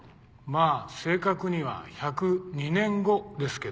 まぁ正確には１０２年後ですけど。